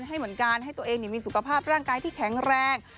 ให้เหมือนกันให้ตัวเองมีสุขภาพร่างกายที่แข็งแรง